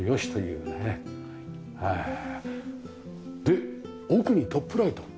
で奥にトップライト？